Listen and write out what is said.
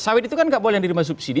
sawit itu kan nggak boleh di rumah subsidi